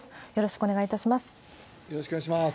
よろしくお願いします。